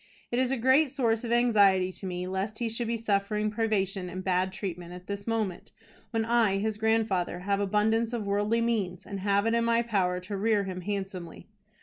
It is a great source of anxiety to me lest he should be suffering privation and bad treatment at this moment, when I, his grandfather, have abundance of worldly means, and have it in my power to rear him handsomely.